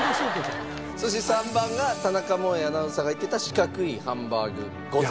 そして３番が田中萌アナウンサーが行ってた四角いハンバーグ御膳ですね。